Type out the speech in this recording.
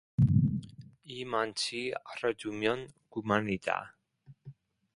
이만치 알아두면 그만이다.